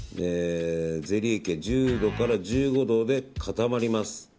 １０度から１５度で固まります。